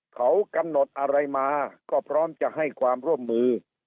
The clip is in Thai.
เขากำหนดอะไรมาก็พร้อมจะให้ความร่วมมือ